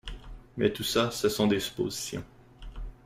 Mais tout ça, ce sont des suppositions.